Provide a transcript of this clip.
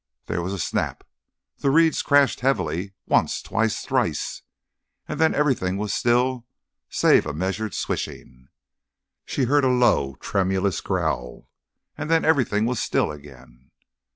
There was a snap. The reeds crashed heavily, once, twice, thrice, and then everything was still save a measured swishing. She heard a low tremulous growl, and then everything was still again.